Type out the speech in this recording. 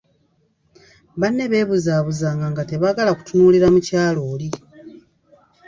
Banne beebuzabuzanga nga tebaagala kutunuulira mukyala oli.